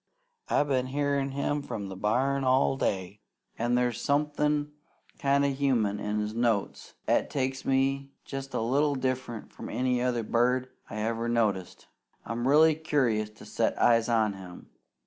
I've been hearin' him from the barn all day, an' there's somethin' kind o' human in his notes 'at takes me jest a little diffrunt from any other bird I ever noticed. I'm really curious to set eyes on him.